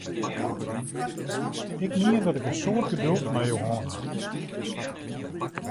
Ik mien dat ik in soad geduld mei jo hân ha!